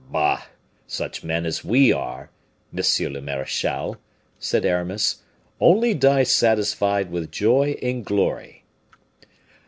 "Bah! such men as we are, monsieur le marechal," said Aramis, "only die satisfied with joy in glory."